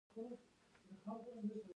چا چې پرون بوټ سمول، نن کنځل کوي.